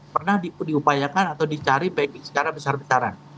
pernah diupayakan atau dicari packing secara besar besaran